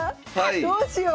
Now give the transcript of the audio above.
どうしよう。